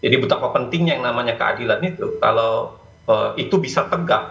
jadi betapa pentingnya yang namanya keadilan itu kalau itu bisa tegak